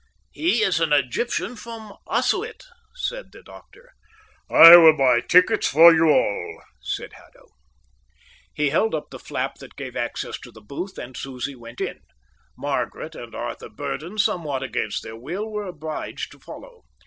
"He is an Egyptian from Assiut," said the doctor. "I will buy tickets for you all," said Haddo. He held up the flap that gave access to the booth, and Susie went in. Margaret and Arthur Burdon, somewhat against their will, were obliged to follow.